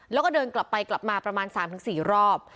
แล้วก็เดินกลับไปกลับมาประมาณ๓๔รอบ